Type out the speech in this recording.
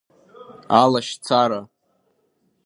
Алашьцара…